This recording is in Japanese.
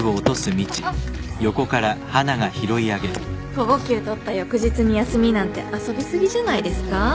午後休取った翌日に休みなんて遊びすぎじゃないですか？